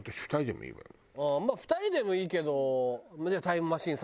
まあ２人でもいいけど。